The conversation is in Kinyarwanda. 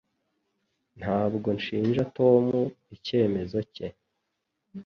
Ntabwo nshinja Tom icyemezo cye